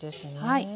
はい。